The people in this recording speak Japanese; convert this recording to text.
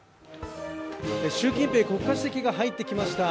習近平国家主席が入ってきました。